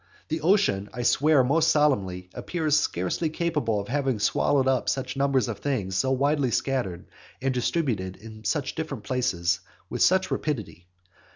The ocean, I swear most solemnly, appears scarcely capable of having swallowed up such numbers of things so widely scattered, and distributed in such different places, with such rapidity.